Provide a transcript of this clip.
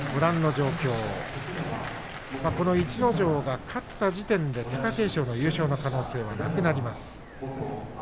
この逸ノ城が勝った時点で貴景勝の優勝の可能性はなくなります。